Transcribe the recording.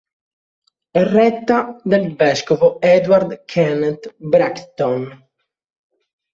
È retta dal vescovo Edward Kenneth Braxton.